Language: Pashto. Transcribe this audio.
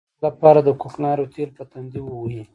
د سر درد لپاره د کوکنارو تېل په تندي ووهئ